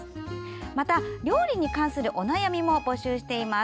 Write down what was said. また、料理に関するお悩みも募集しています。